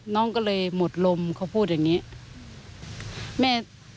น้องก็เลยหมดลมเขาพูดอย่างนี้